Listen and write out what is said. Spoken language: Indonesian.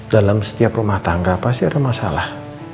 dalam setiap rumah tangga pasti ada masalah